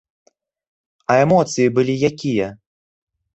А эмоцыі былі якія?